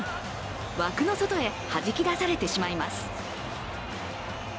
枠の外へはじき出されてしまいます。